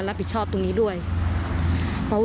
เหตุการณ์เกิดขึ้นแถวคลองแปดลำลูกกา